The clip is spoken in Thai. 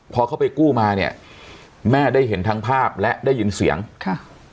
พอเขาไปกู้มาเนี่ยแม่ได้เห็นทั้งภาพและได้ยินเสียงค่ะ